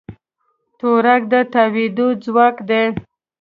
تورک د تاوېدو ځواک دی.